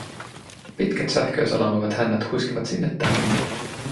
Pitkät sähköä salamoivat hännät huiskivat sinne tänne.